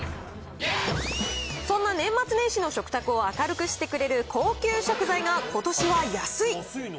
そんな年末年始の食卓を明るくしてくれる高級食材がことしは安い。